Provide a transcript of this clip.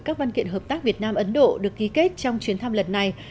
các văn kiện hợp tác việt nam ấn độ được ký kết trong chuyến thăm lần này